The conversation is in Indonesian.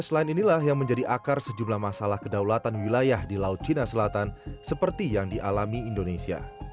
dua ratus line inilah yang menjadi akar sejumlah masalah kedaulatan wilayah di laut cina selatan seperti yang dialami indonesia